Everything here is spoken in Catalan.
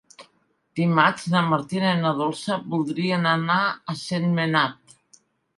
Dimarts na Martina i na Dolça voldrien anar a Sentmenat.